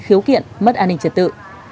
khiếu kiện mất an ninh trật tự